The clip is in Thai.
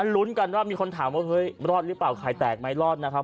ลุ้นกันว่ามีคนถามว่าเฮ้ยรอดหรือเปล่าไข่แตกไหมรอดนะครับ